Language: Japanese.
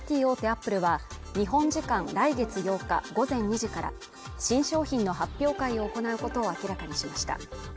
アップルは日本時間来月８日午前２時から新商品の発表会を行うことを明らかにしました